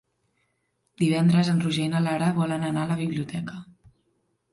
Divendres en Roger i na Lara volen anar a la biblioteca.